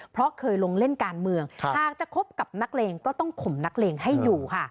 เพราะเคยลงเล่นการเมืองหากจะคบกับนักเลงก็ต้องข่มนักเลงให้อยู่ค่ะ